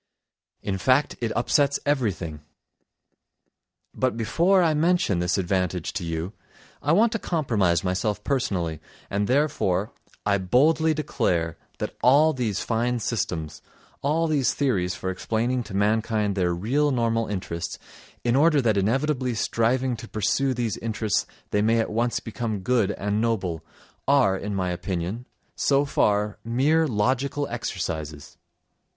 In fact, it upsets everything. But before I mention this advantage to you, I want to compromise myself personally, and therefore I boldly declare that all these fine systems, all these theories for explaining to mankind their real normal interests, in order that inevitably striving to pursue these interests they may at once become good and noble—are, in my opinion, so far, mere logical exercises!